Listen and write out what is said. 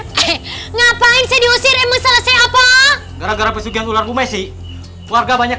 diusir ngapain sedih usir emang selesai apa gara gara pesugihan ular bumes sih warga banyak